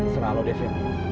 serah lo deh vin